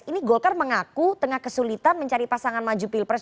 ini golkar mengaku tengah kesulitan mencari pasangan maju pilpres dua ribu dua puluh empat